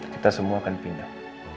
kita semua akan pindah